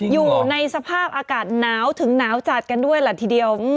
อยู่ในสภาพอากาศหนาวถึงหนาวจัดกันด้วยล่ะทีเดียว